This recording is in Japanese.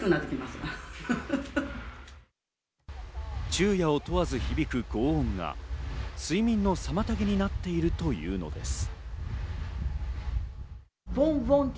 昼夜を問わず響く轟音が睡眠の妨げになっているというのです。